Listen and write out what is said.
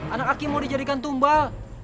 anak aki mau dijadikan tumbal